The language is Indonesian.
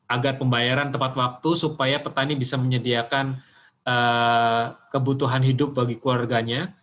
agar pembayaran tepat waktu supaya petani bisa menyediakan kebutuhan hidup bagi keluarganya